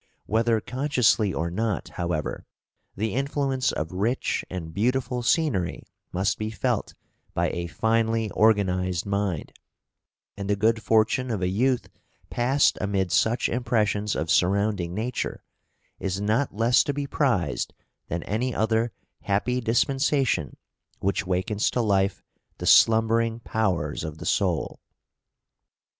Whether consciously or not, however, the influence of rich and beautiful scenery must be felt by a finely organised mind, and the good fortune of a youth passed amid such impressions of surrounding nature is not less to be prized than any other happy dispensation which wakens to life the slumbering powers of the soul.